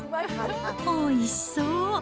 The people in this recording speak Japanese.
おいしそう。